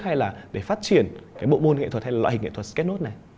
hay là để phát triển cái bộ môn nghệ thuật hay là loại hình nghệ thuật sketch note này